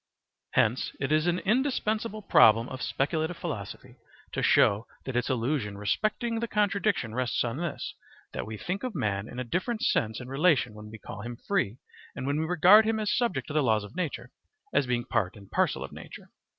Hence it is an indispensable problem of speculative philosophy to show that its illusion respecting the contradiction rests on this, that we think of man in a different sense and relation when we call him free and when we regard him as subject to the laws of nature as being part and parcel of nature.